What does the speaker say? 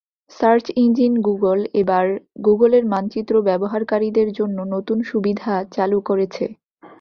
Search engine Google এবার গুগলের মানচিত্র ব্যবহারকারীদের জন্য নতুন সুবিধা চালু করেছে।